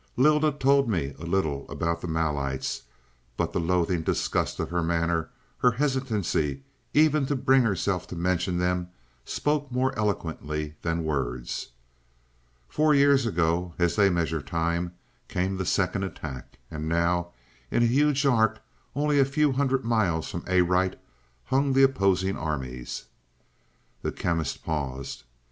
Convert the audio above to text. Lylda told me little about the Malites, but the loathing disgust of her manner, her hesitancy, even to bring herself to mention them, spoke more eloquently than words. "Four years ago, as they measure time, came the second attack, and now, in a huge arc, only a few hundred miles from Arite, hung the opposing armies." The Chemist paused.